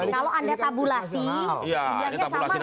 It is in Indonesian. kalau anda tabulasi